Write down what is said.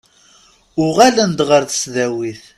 Uɣalen-d ɣer tesdawit.